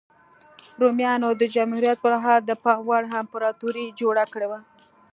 رومیانو د جمهوریت پرمهال د پام وړ امپراتوري جوړه کړې وه